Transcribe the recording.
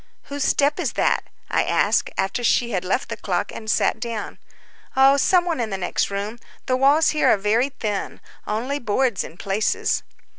"Whose step is that?" I asked, after she had left the clock, and sat down. "Oh, some one in the next room. The walls here are very thin—only boards in places."